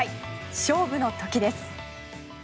勝負の時です。